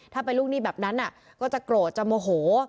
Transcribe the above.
ถ้าเป็นลูกหนี้แบบนั้นก็จะโกรธจะโมโห